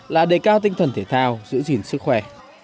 là đề cao tinh thần thể thao giữ gìn sức khỏe